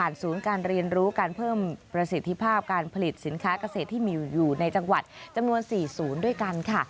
และเกษตรที่มีอยู่ในจังหวัดจำนวน๔๐ด้วยกันค่ะ